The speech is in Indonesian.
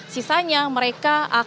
sisanya mereka tidak bisa mengambil